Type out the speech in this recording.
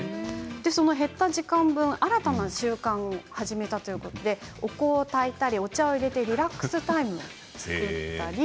その減った時間分新たな習慣を始めたということでお香を炊いたり、お茶をいれてリラックスタイムを作ったり。